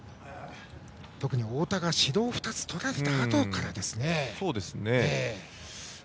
とくに太田が指導２つとられたあとからですね。